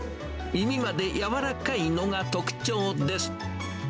耳までやわらかいのが特徴です。